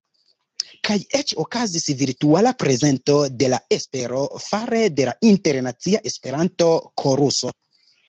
Kaj eĉ okazis virtuala prezento de La Espero fare de la Internacia Esperanto-Koruso.